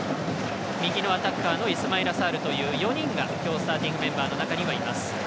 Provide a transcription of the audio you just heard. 右のアタッカーのイスマイラ・サールという４人がスターティングメンバーの中にはいます。